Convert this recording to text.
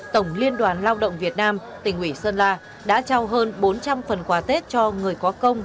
tổng liên đoàn lao động việt nam tỉnh ủy sơn la đã trao hơn bốn trăm linh phần quà tết cho người có công